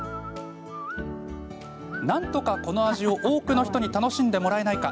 なんとか、この味を多くの人に楽しんでもらえないか。